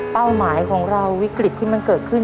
เป้าหมายของเราวิกฤทธิ์ที่เกิดขึ้น